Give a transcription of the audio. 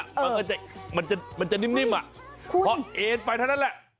มันก็จะมันจะมันจะนิ่มนิ่มอ่ะเพราะเอ็นไปเท่านั้นแหละ